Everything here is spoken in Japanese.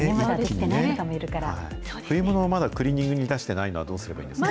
冬物まだクリーニングに出してないのは、どうすればいいんですか？